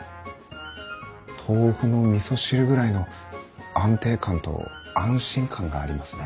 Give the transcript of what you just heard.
豆腐のみそ汁ぐらいの安定感と安心感がありますね。